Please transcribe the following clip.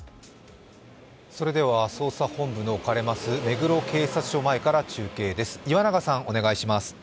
捜査本部の置かれます目黒警察署前から中継です。